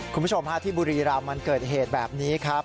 คุณผู้ชมฮะที่บุรีรำมันเกิดเหตุแบบนี้ครับ